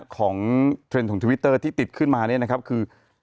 เทรนด์ของทวิตเตอร์ที่ติดขึ้นมาเนี่ยนะครับคือ